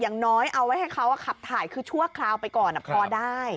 อย่างน้อยเอาไว้ให้เขาขับถ่ายคือชั่วคราวไปก่อนพอได้